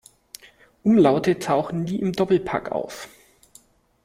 Umlaute tauchen nie im Doppelpack auf.